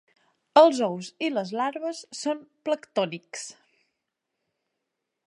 Els ous i les larves són planctònics.